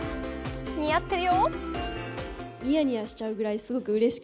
似合ってるよ。